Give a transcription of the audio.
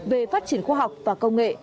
về phát triển khoa học và công nghệ